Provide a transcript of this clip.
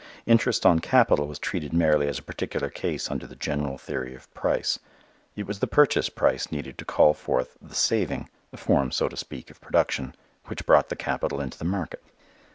Interest on capital was treated merely as a particular case under the general theory of price. It was the purchase price needed to call forth the "saving" (a form, so to speak, of production) which brought the capital into the market.